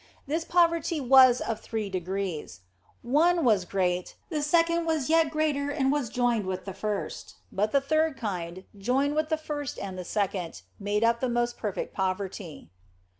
This poverty was of three degrees : one OF FOLIGNO 55 was great, the second was yet greater and was joined with the first, but the third kind, joined with the first and the second, made up the most perfect poverty.